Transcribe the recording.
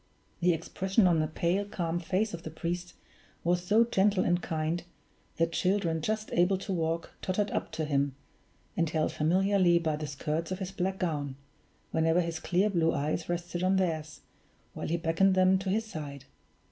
The expression on the pale, calm face of the priest was so gentle and kind, that children just able to walk tottered up to him, and held familiarly by the skirts of his black gown, whenever his clear blue eyes rested on theirs, while he beckoned them to his side.